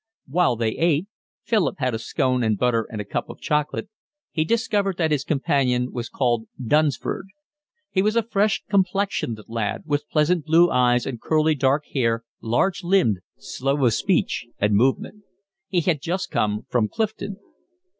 While they ate (Philip had a scone and butter and a cup of chocolate), he discovered that his companion was called Dunsford. He was a fresh complexioned lad, with pleasant blue eyes and curly, dark hair, large limbed, slow of speech and movement. He had just come from Clifton.